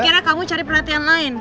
akhirnya kamu cari perhatian lain